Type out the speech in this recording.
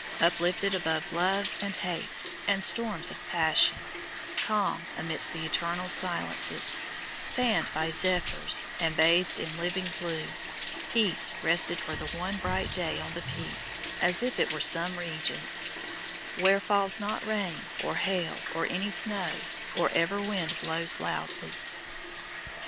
Uplifted above love and hate and storms of passion, calm amidst the eternal silences, fanned by zephyrs and bathed in living blue, peace rested for that one bright day on the Peak, as if it were some region Where falls not rain, or hail, or any snow, Or ever wind blows loudly.